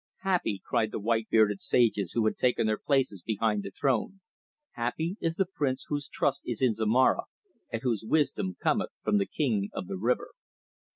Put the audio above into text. "Happy," cried the white bearded sages who had taken their places behind the throne "happy is the prince whose trust is in Zomara and whose wisdom cometh from the King of the River."